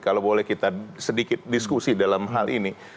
kalau boleh kita sedikit diskusi dalam hal ini